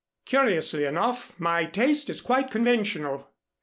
Curiously enough my taste is quite conventional.